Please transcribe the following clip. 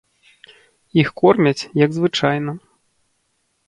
Іх кормяць, як звычайна.